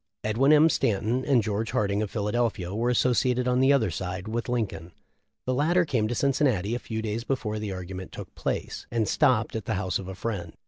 Edwin M. Stanton and George Harding, of Philadelphia, were associated on the other side with Lincoln. The latter came to Cin cinnati a fe before the argument took place, and topped at the house of a friend.